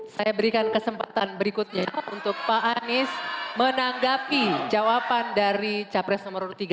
saya berikan kesempatan berikutnya untuk pak anies menanggapi jawaban dari capres nomor tiga